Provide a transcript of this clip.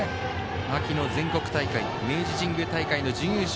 秋の全国大会明治神宮大会で準優勝。